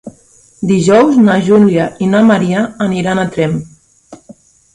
Dijous na Júlia i na Maria aniran a Tremp.